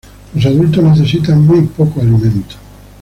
Los adultos necesitan muy poco alimento.